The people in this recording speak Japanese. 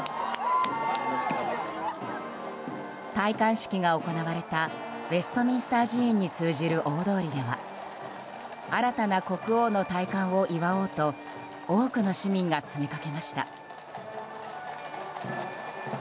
戴冠式が行われたウェストミンスター寺院に通じる大通りでは新たな国王の戴冠を祝おうと多くの市民が詰めかけました。